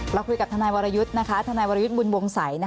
เราคุยกับทนายวรยุทธ์ทนายวรยุทธ์บุญวงศัย